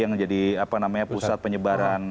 yang menjadi pusat penyebaran